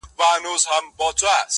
دوهم ځل او دريم ځل يې په هوا كړ-